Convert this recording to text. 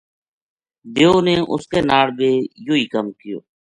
دیو نے اس کے ناڑ بھی یوہی کم کیو